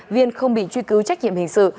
viên không bị truy cứu trách nhiệm hình sự